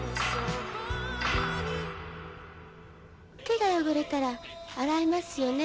「手が汚れたら洗いますよね」